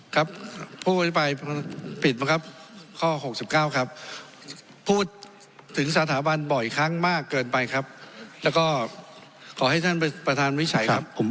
ครับผู้อภิปรายปิดบังคับข้อ๖๙ครับพูดถึงสถาบันบ่อยครั้งมากเกินไปครับแล้วก็ขอให้ท่านประธานวิจัยครับ